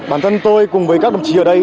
bản thân tôi cùng với các đồng chí ở đây